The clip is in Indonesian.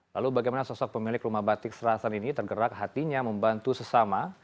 lalu bagaimana sosok pemilik rumah batik serasan ini tergerak hatinya membantu sesama